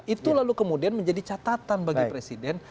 itu lalu kemudian menjadi catatan bagi presiden